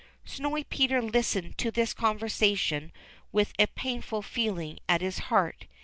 Snowy Peter listened to this conversation with a painful feeling at his heart.